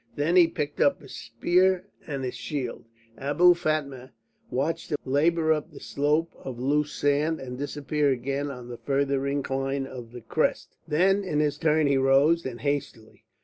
Then he picked up his spears and his shield. Abou Fatma watched him labour up the slope of loose sand and disappear again on the further incline of the crest. Then in his turn he rose, and hastily.